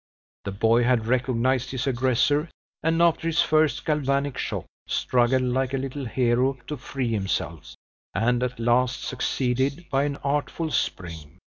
The boy had recognized his aggressor, and after his first galvanic shock, struggled like a little hero to free himself, and at last succeeded by an artful spring.